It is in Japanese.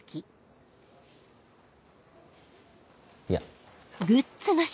いや。